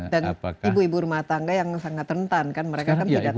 dan ibu ibu rumah tangga yang sangat rentan kan mereka kan tidak tahu